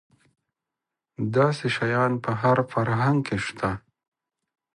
داسې شیان په هر فرهنګ کې شته.